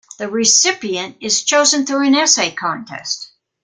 The recipient is chosen through an essay contest.